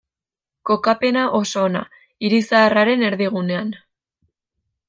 Kokapena oso ona, hiri zaharraren erdigunean.